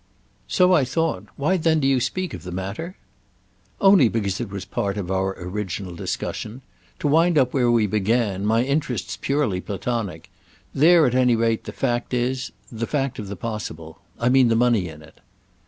"So I thought. Why then do you speak of the matter?" "Only because it was part of our original discussion. To wind up where we began, my interest's purely platonic. There at any rate the fact is—the fact of the possible. I mean the money in it."